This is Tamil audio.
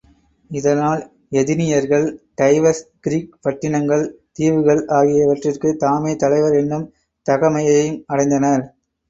இதனால் எதினியர்கள், டைவர்ஸ் கிரிக் பட்டினங்கள், தீவுகள் ஆகிய இவற்றிற்குத் தாமே தலைவர் என்னும் தகைமையையும் அடைந்தனர்.